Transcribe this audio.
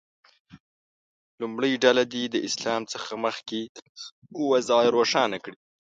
لومړۍ ډله دې د اسلام څخه مخکې وضع روښانه کړي.